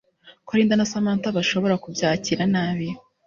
ko Linda na Samantha bashobora kubyakira nabi